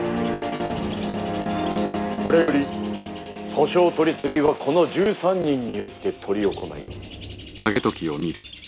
これより訴訟取次はこの１３人によって執り行います。